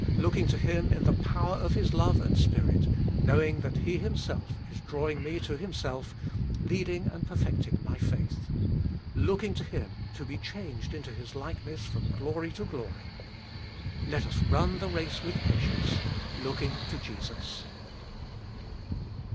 Looking to Him in the power of His love and Spirit, knowing that He Himself is drawing me to Himself, leading and perfecting my faith. Looking to Him, to be changed into His likeness from glory to glory. Let us run the race with patience, looking to Jesus.